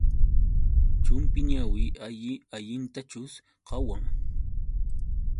Chumpi ñawi alli allintachus qawan.